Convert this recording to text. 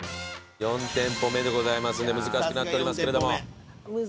４店舗目でございますので難しくなっておりますけれども。